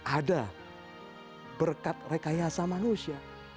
ada berkat rekayasa manusia